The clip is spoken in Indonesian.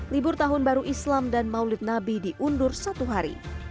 libur tahun baru islam dan maulid nabi diundur satu hari